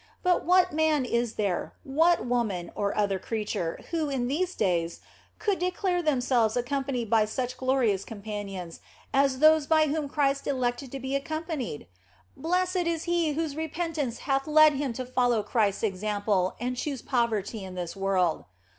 But what man is there, what woman, or other creature, who in these days could declare themselves accompanied by such glorious companions as those by whom Christ elected to be accompanied ? Blessed is he whose re pentance hath led him to follow Christ s example and choose poverty in this world.